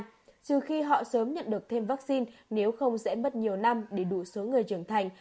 trừ khi họ sớm nhận được thêm vaccine nếu không sẽ mất nhiều năm để đủ số người trưởng thành